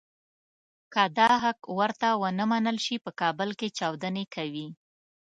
که دا حق ورته ونه منل شي په کابل کې چاودنې کوي.